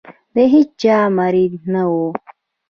د هیچا مرید نه وو.